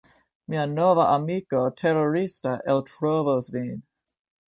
Mia nova amiko terorista eltrovos vin!